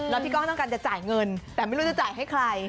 แล้วพี่ก้องต้องการจะจ่ายเงินแต่ไม่รู้จะจ่ายให้ใคร